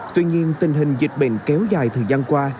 tuy nhiên tình hình dịch bệnh kéo dài thời gian qua